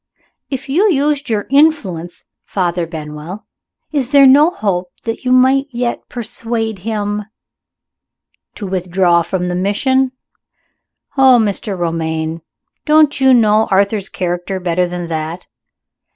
"If you used your influence, Father Benwell, is there no hope that you might yet persuade him ?" "To withdraw from the Mission? Oh, Mr. Romayne, don't you know Arthur's character better than that?